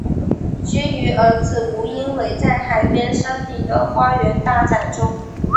居于儿子吴英伟在海边山顶的花园大宅中。